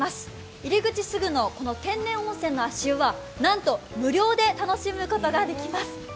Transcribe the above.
入り口すぐの天然温泉の足湯はなんと無料で楽しむことができます。